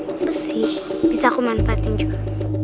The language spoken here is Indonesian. apa sih bisa aku manfaatin juga